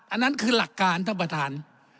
อันนั้นคือหลักการท่านประธาน